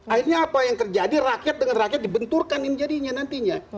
akhirnya apa yang terjadi rakyat dengan rakyat dibenturkan ini jadinya nantinya